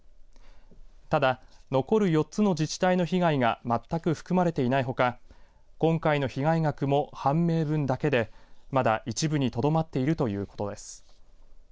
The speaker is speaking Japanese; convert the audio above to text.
ただ残る４つの自治体の被害が全く含まれていないほか今回の被害額も判明分だけでまだ一部にとどまっているということです。